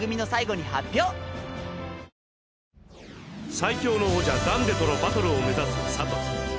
最強の王者ダンデとのバトルを目指すサトシ。